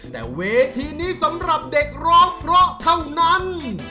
แต่เวทีนี้สำหรับเด็กร้องเพราะเท่านั้น